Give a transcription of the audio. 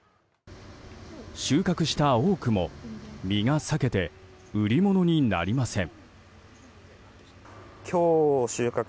収穫した多くも、実が裂けて売り物になりません。